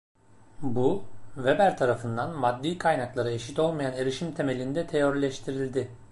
Bu, Weber tarafından maddi kaynaklara eşit olmayan erişim temelinde teorileştirildi.